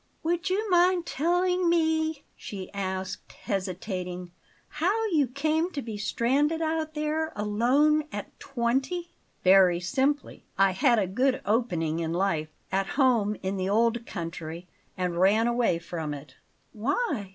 "Would you mind telling me," she asked, hesitating, "how you came to be stranded out there alone at twenty?" "Very simply: I had a good opening in life, at home in the old country, and ran away from it." "Why?"